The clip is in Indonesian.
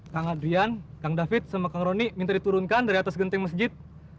kang adrian kang david sama kang rony minta diturunkan dari atas genting masjid